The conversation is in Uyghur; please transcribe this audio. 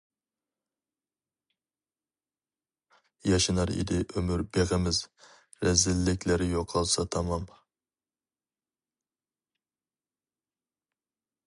ياشنار ئىدى ئۆمۈر بېغىمىز، رەزىللىكلەر يوقالسا تامام.